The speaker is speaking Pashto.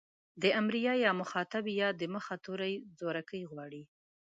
د امريه يا مخاطبې ئ د مخه توری زورکی غواړي.